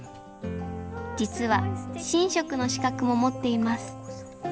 実は神職の資格も持っています。